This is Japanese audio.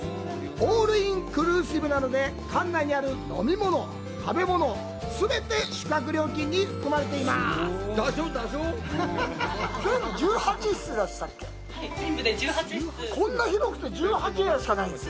オールインクルーシブなので、館内にある飲み物や食べ物は全て宿泊料金に含まれています。